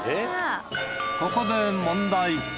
ここで問題！